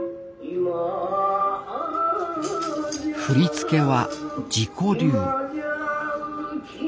振り付けは自己流。